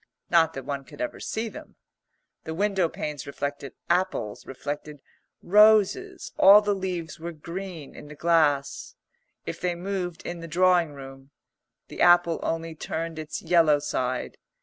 Not that one could ever see them. The window panes reflected apples, reflected roses; all the leaves were green in the glass. If they moved in the drawing room, the apple only turned its yellow side.